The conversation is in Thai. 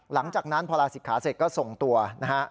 หลังจากนั้นพอลาศิกขาเสร็จก็ส่งตัวนะฮะ